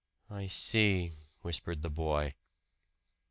"I see!" whispered the boy.